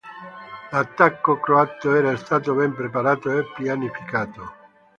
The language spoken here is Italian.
L'attacco croato era stato ben preparato e pianificato.